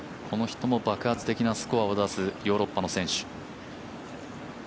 この人も爆発的なスコアを出すヨーロッパの選手。